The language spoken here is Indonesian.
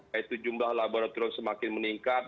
yaitu jumlah laboratorium semakin meningkat